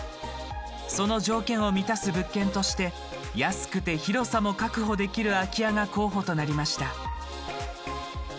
その条件を満たす物件として安くて広さも確保できる空き家が候補となりました。